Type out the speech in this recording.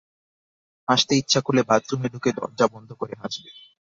হাসতে ইচ্ছা করলে বাথরুমে ঢুকে দরজা বন্ধ করে হাসবে।